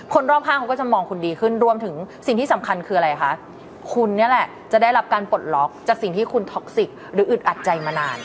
คนรอบข้างเขาก็จะมองคุณดีขึ้นรวมถึงสิ่งที่สำคัญคืออะไรคะคุณนี่แหละจะได้รับการปลดล็อกจากสิ่งที่คุณท็อกซิกหรืออึดอัดใจมานาน